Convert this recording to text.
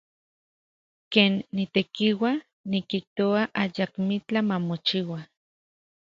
Ken nitekiua, nikijtoa ayakmitlaj mamochiua.